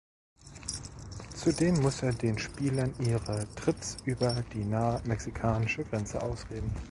Zudem muss er den Spielern ihre Trips über die nahe mexikanische Grenze ausreden.